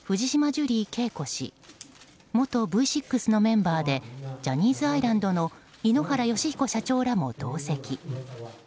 ジュリー景子氏元Ｖ６のメンバーでジャニーズアイランドの井ノ原快彦社長らも同席。